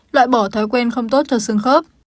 loại bỏ thói quen không tốt cho sương khớp